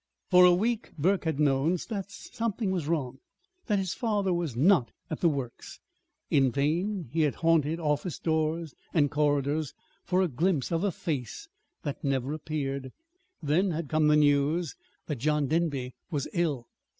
For a week Burke had known that something was wrong that his father was not at the Works. In vain had he haunted office doors and corridors for a glimpse of a face that never appeared. Then had come the news that John Denby was ill.